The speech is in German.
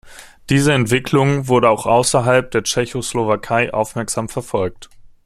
Diese Entwicklung wurde auch außerhalb der Tschechoslowakei aufmerksam verfolgt.